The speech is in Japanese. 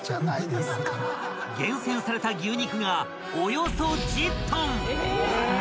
［厳選された牛肉がおよそ１０ｔ］